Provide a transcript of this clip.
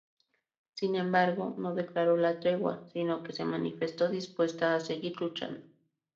Sin embargo, no declaró la tregua, sino que se manifestó dispuesta a "seguir luchando".